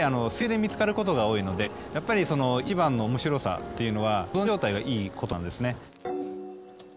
やはり水中で見つかることが多いのでやっぱりいちばんのおもしろさというのは保存状態がいいことなんですね。